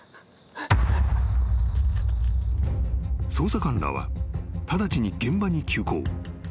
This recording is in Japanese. ［捜査官らは直ちに現場に急行］